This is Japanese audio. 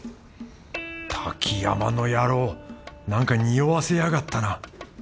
滝山の野郎なんかにおわせやがったな